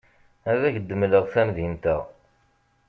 Ad ak-d-mleɣ tamdint-a.